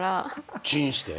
チンして？